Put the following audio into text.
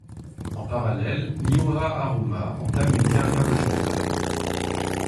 En parallèle Miura Haruma entame une carrière de chanteur.